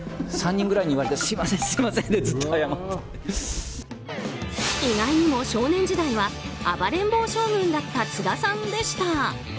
意外にも少年時代は暴れん坊将軍だった津田さんでした。